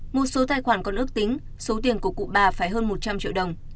một số tài khoản còn ước tính số tiền của cụ bà phải hơn một trăm linh triệu đồng